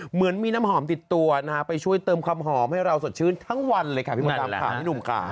เหมือนมีน้ำหอมติดตัวนะฮะไปช่วยเติมความหอมให้เราสดชื่นทั้งวันเลยค่ะพี่มดดำค่ะพี่หนุ่มค่ะ